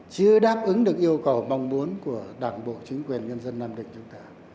chưa đáp ứng được yêu cầu mong muốn của đảng bộ chính quyền nhân dân nam định chúng ta